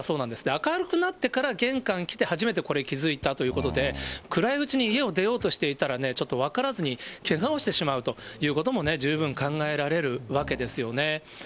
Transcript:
明るくなってから玄関来て初めてこれ、気付いたということで、暗いうちに家を出ようとしていたら、ちょっと分からずにけがをしてしまうということも十分考えられるわけですよね。